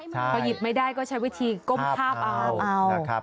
พอหยิบไม่ได้ก็ใช้วิธีก้มคาบเอา